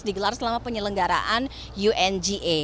digelar selama penyelenggaraan unga